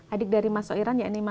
adik dari mas soiran yaitu mas angga